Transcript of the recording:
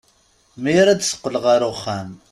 Mi ara d-teqqel ɣer uxxam.